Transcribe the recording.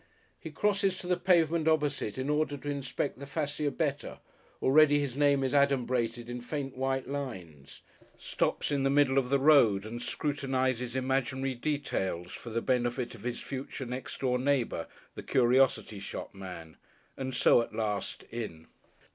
He crosses to the pavement opposite in order to inspect the fascia better, already his name is adumbrated in faint white lines; stops in the middle of the road and scrutinises imaginary details for the benefit of his future next door neighbour, the curiosity shop man, and so at last, in....